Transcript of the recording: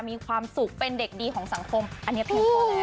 มีความสุขเป็นเด็กดีของสังคมอันนี้เพียงพอแล้ว